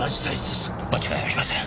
間違いありません。